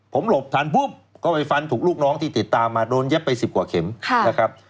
ผมหลบทันปุ๊บก็ไปฟันถูกลูกน้องที่ติดตามมาโดนเย็บไป๑๐กว่าเข็มนะครับ